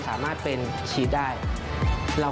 กลับมาก่อนสวัสดีครับ